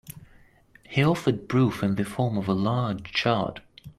He offered proof in the form of a large chart.